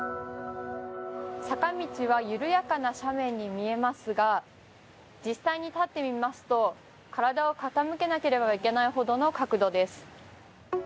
坂道は緩やかな斜面に見えますが実際に立ってみますと体を傾けなければいけないほどの角度です。